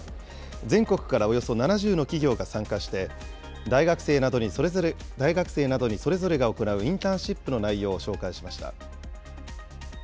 全国からおよそ７０の企業が参加して、大学生などにそれぞれが行うインターンシップの内容を紹介しました。